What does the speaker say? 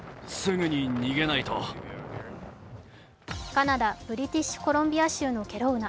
カナダ・ブリティッシュコロンビア州のケロウナ。